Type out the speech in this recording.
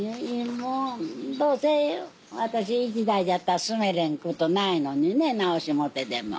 もうどうせ私一代じゃったら住めれんことないのにね直しもってでも。